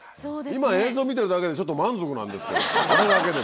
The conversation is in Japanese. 今映像を見てるだけでちょっと満足なんですけどあれだけでも。